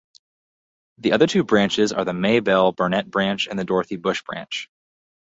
The other two branches are the Maybelle Burnette Branch and the Dorothy Busch Branch.